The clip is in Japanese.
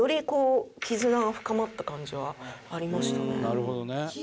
なるほどね。